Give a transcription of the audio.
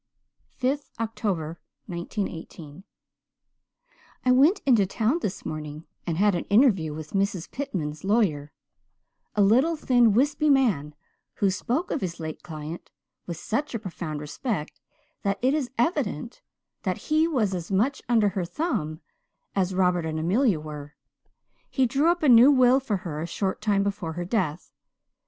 5th October 1918 "I went into town this morning and had an interview with Mrs. Pitman's lawyer a little thin, wispy man, who spoke of his late client with such a profound respect that it is evident that he as was much under her thumb as Robert and Amelia were. He drew up a new will for her a short time before her death.